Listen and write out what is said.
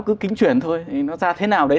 cứ kính chuyển thôi nó ra thế nào đấy